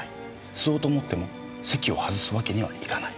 吸おうと思っても席を外すわけにはいかない。